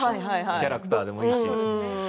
キャラクターでもいいし。